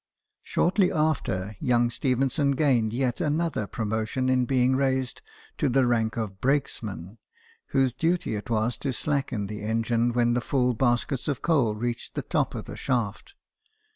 Shortly after, young Stephenson gained yet anocher promotion in being raised to the rank of brakesman, whose duty it was to slacken the engine when the full baskets of coal reached 36 BIOGRAPHIES OF WORKING MEN. the top of the shaft.